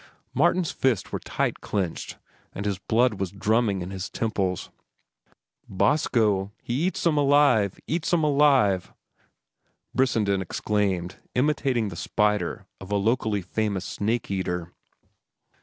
Martin's fists were tight clenched, and his blood was drumming in his temples. "Bosco! He eats 'em alive! Eats 'em alive!" Brissenden exclaimed, imitating the spieler of a locally famous snake eater.